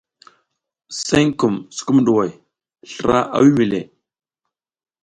Senkum sukumɗuhoy slra a wimi le.